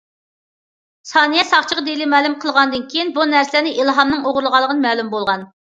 سانىيە ساقچىغا دېلو مەلۇم قىلغاندىن كېيىن بۇ نەرسىلەرنى ئىلھامنىڭ ئوغرىلىغانلىقى مەلۇم بولغان.